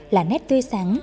là nét tươi sáng